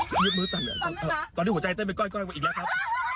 ไม่มีมือสั่นเลยซันเน็ตละตอนนี้หัวใจเต้นไปก้อนก้อนก่อนอีกแล้วครับ